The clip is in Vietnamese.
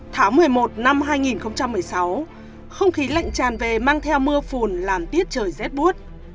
tháng một mươi một năm hai nghìn một mươi sáu không khí lạnh tràn về mang theo mưa phùn làm tiết trời rét buốt